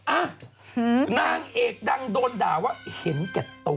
อ่ะนางเอกดังโดนด่าว่าเห็นแก่ตัว